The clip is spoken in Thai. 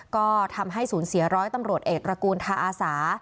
ก็ทำให้สูญเสียร้อยตำรวจเอกตระกูลทาอาสา